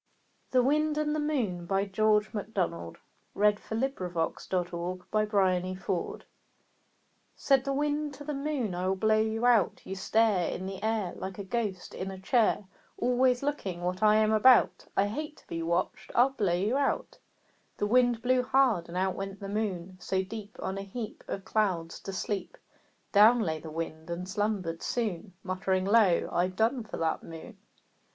Don't you see? Unless we are as good as can be!" Lucy Larcom. THE WIND AND THE MOON Said the Wind to the Moon, "I will blow you out. You stare In the air Like a ghost in a chair, Always looking what I am about; I hate to be watched I'll blow you out." The Wind blew hard, and out went the Moon. So deep, On a heap Of clouds, to sleep, Down lay the Wind, and slumbered soon Muttering low, "I've done for that Moon."